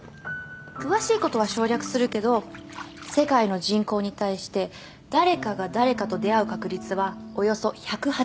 詳しいことは省略するけど世界の人口に対して誰かが誰かと出会う確率はおよそ１８０億分の１。